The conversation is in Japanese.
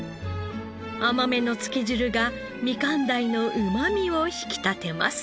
甘めのつけ汁がみかん鯛のうまみを引き立てます。